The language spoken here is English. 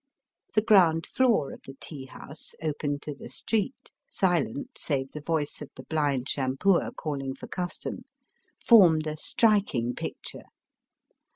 The ground floor of the tea house, open to the street — silent save for the voice of the blind shampooer calling for custom — formed a strik ing picture.